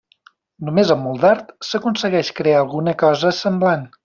Només amb molt d'art s'aconsegueix crear alguna cosa semblant.